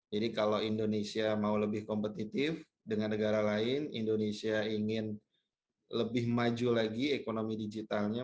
jadi kalau indonesia mau lebih kompetitif dengan negara lain indonesia ingin lebih maju lagi ekonomi digitalnya